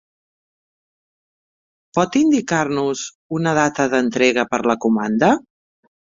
Pot indicar-nos una data d'entrega per la comanda?